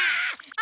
あ！